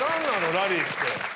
ラリーって。